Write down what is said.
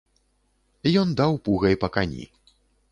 Ён даў пугай па кані.